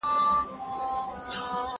زه کولای سم لیکل وکړم،